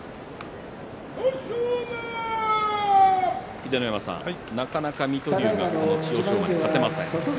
秀ノ山さん、なかなか水戸龍がこの千代翔馬に勝てませんね。